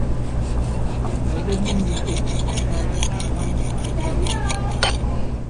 Siberian Yupiks had shamans as well.